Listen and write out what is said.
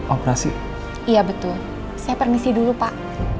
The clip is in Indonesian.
operasi iya betul saya permisi dulu pak